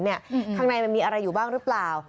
ข้างในมันมีอะไรอยู่บ้างหรือเปล่า